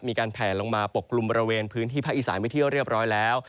มีการแผลลงมาปกกลุ่มบริเวณพื้นที่ภาคอีสานไปเที่ยวเรียบร้อยแล้ว